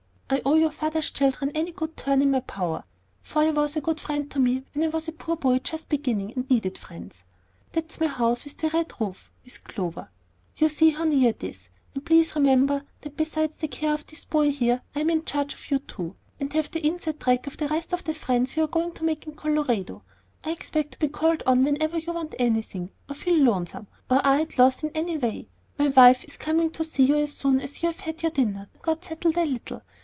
"I owe your father's children any good turn in my power, for he was a good friend to me when I was a poor boy just beginning, and needed friends. That's my house with the red roof, Miss Clover. You see how near it is; and please remember that besides the care of this boy here, I'm in charge of you too, and have the inside track of the rest of the friends you are going to make in Colorado. I expect to be called on whenever you want anything, or feel lonesome, or are at a loss in any way. My wife is coming to see you as soon as you have had your dinner and got settled a little.